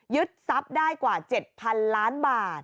ทรัพย์ได้กว่า๗๐๐๐ล้านบาท